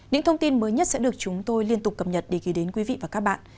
những thông tin mới nhất sẽ được chúng tôi liên tục cập nhật để ghi đến quý vị và các bạn